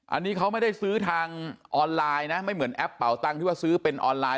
อันนี้เขาไม่ได้ซื้อทางออนไลน์นะไม่เหมือนแอปเป่าตังค์ที่ว่าซื้อเป็นออนไลน